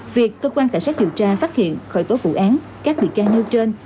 việc cơ quan cảnh sát điều tra phát hiện khởi tố vụ án các bị can nêu trên